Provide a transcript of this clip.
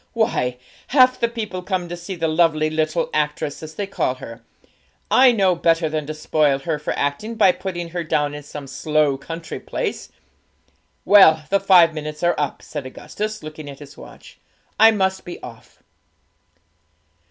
Why, half the people come to see the lovely little actress, as they call her; I know better than to spoil her for acting by putting her down in some slow country place. Well, the five minutes are up,' said Augustus, looking at his watch; 'I must be off.'